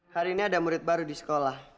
hari ini ada murid baru di sekolah